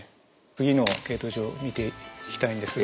次の系統図を見ていきたいんですが。